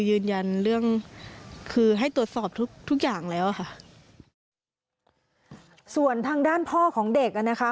ยืนยันเรื่องคือให้ตรวจสอบทุกทุกอย่างแล้วค่ะส่วนทางด้านพ่อของเด็กอ่ะนะคะ